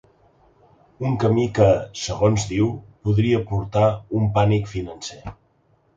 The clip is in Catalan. Un camí que, segons diu, podria portar un pànic financer.